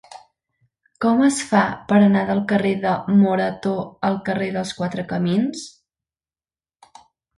Com es fa per anar del carrer de Morató al carrer dels Quatre Camins?